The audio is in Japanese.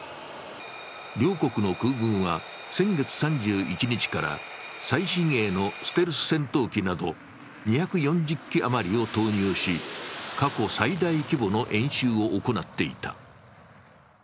両国の空軍は先月３１日から最新鋭のステルス戦闘機など２４０機余りを投入し、過去最大規模の演習を行っていた。